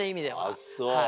あっそう。